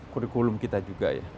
kurikulum kita juga ya